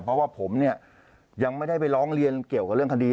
เพราะว่าผมเนี่ยยังไม่ได้ไปร้องเรียนเกี่ยวกับเรื่องคดี